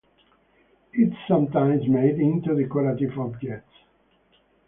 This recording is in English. It is sometimes made into decorative objects.